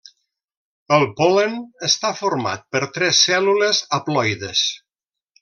El pol·len està format per tres cèl·lules haploides.